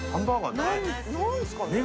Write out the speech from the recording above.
何ですかね？